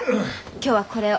今日はこれを。